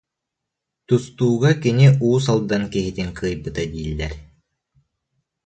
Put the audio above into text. Тустууга кини Уус Алдан киһитин кыайбыта дииллэр